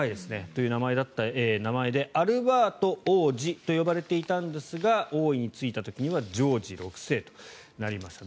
という名前でアルバート王子と呼ばれていたんですが王位に就いた時にはジョージ６世となりました。